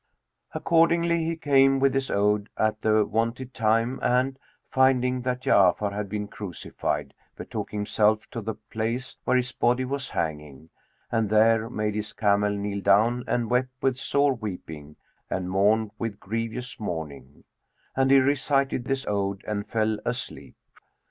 Accordingly, he came with his ode at the wonted time and, finding that Ja'afar had been crucified, betook himself to the place where his body was hanging, and there made his camel kneel down and wept with sore weeping and mourned with grievous mourning; and he recited his ode and fell asleep.